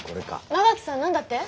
馬垣さん何だって？